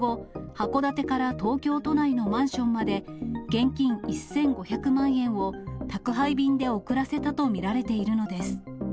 その後、函館から東京都内のマンションまで現金１５００万円を、宅配便で送らせたと見られているのです。